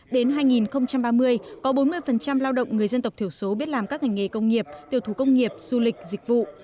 đến hai nghìn ba mươi có bốn mươi lao động người dân tộc thiểu số biết làm các ngành nghề công nghiệp tiểu thủ công nghiệp du lịch dịch vụ